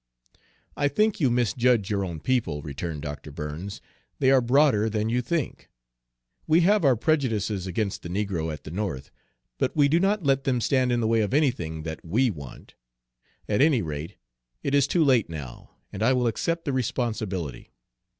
"I think you misjudge your own people," returned Dr. Burns, "they are broader than you think. We have our prejudices against the negro at the North, but we do not let them stand in the way of anything that we want. At any rate, it is too late now, and I will accept the responsibility.